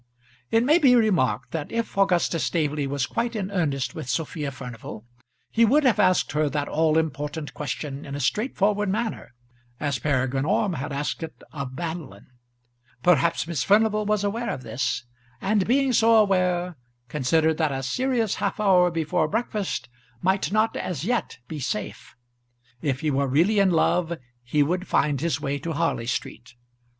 It may be remarked that if Augustus Staveley was quite in earnest with Sophia Furnival, he would have asked her that all important question in a straightforward manner as Peregrine Orme had asked it of Madeline. Perhaps Miss Furnival was aware of this, and, being so aware, considered that a serious half hour before breakfast might not as yet be safe. If he were really in love he would find his way to Harley Street.